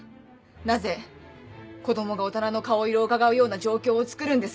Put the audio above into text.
なぜ子供が大人の顔色をうかがうような状況をつくるんですか？